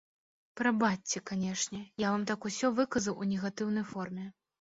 Прабачце, канешне, я вам так усё выказаў у негатыўнай форме.